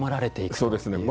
そうですね。